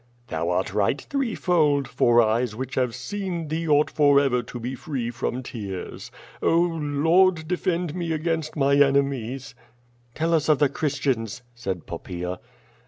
"Thou art right threefold, for eyes which have seen thee ought forever be free from tears. Oh, Lord, defend me against my enemies.' 99 QVO VADIS. 363 ''Tell us of the Christians/' said Poppaea.